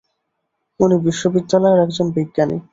উনি বিশ্ববিদ্যালয়ের একজন বিজ্ঞানী।